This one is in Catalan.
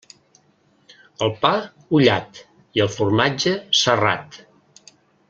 El pa, ullat, i el formatge, serrat.